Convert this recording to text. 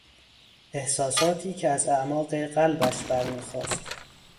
احساساتی که از اعماق قلبش برمیخاست